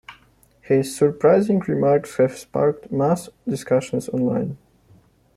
His surprising remarks have sparked mass discussions online.